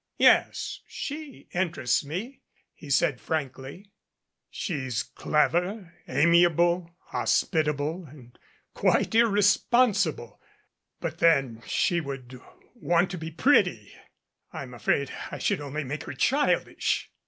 "Yes, she interests me," he said frankly. "She's clever, amiable, hospitable and quite irresponsible. But then she would want to be 'pretty.' I'm afraid I should only make her childish."